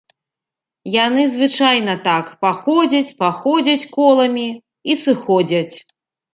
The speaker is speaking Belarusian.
Яны звычайна так паходзяць-паходзяць коламі і сыходзяць.